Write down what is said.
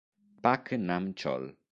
Pak Nam-chol